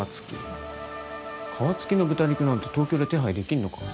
皮付きの豚肉なんて東京で手配できんのか？